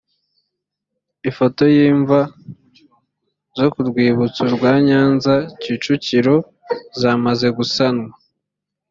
ifoto y imva zo ku rwibutso rwa nyanza kicukiro zimaze gusanwa